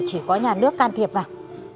chỉ có nhà nước can thiệp vào